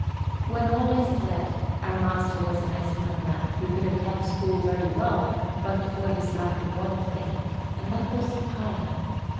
When all is said, our master was an excellent man who could have kept school very well but for his lack of one thing; and that was time.